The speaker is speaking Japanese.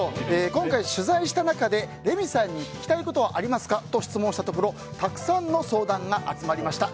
今回、取材した中でレミさんに聞きたいことはありますかと質問したところたくさんの相談が集まりました。